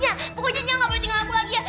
nyaa pokoknya nyaa gak boleh tinggal aku lagi ya